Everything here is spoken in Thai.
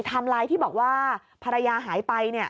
ถามไลน์ที่บอกว่าภรรยาหายไปเนี่ย